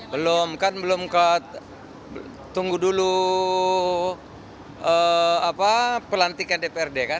belum kan belum ke tunggu dulu pelantikan dprd kan